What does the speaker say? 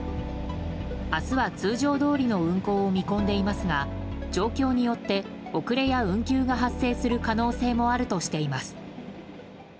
明日は通常通りの運行を見込んでいますが状況によって遅れや運休が発生する可能性もあるとしています。